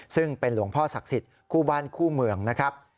ซึ่งเป็นหลวงพ่อศักดิ์สิทธิ์คู่บ้านคู่เมืองนะครับ